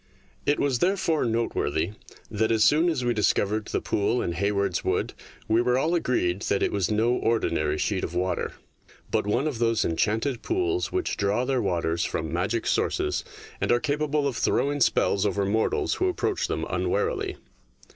It was therefore noteworthy that as soom as we discovered the pool in Hayward's 3 18 THE DAY BEFORE YESTERDAY Wood we were all agreed that it was no ordinary sheet of water, but one of those enchanted pools which draw their waters from magic sources and are capable of throwing spells over mortals who approach them unwarily.